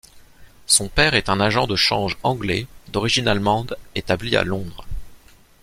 Son père est un agent de change anglais d'origine allemande établi à Londres.